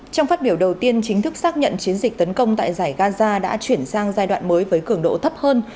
trong phát biểu đầu tiên chính thức xác nhận chiến dịch tấn công tại giải gaza đã chuyển sang giai đoạn mới với cường độ thấp hơn